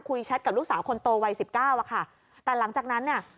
แชทกับลูกสาวคนโตวัยสิบเก้าอะค่ะแต่หลังจากนั้นเนี่ย